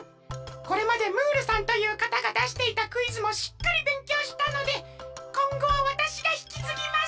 これまでムールさんというかたがだしていたクイズもしっかりべんきょうしたのでこんごはわたしがひきつぎます！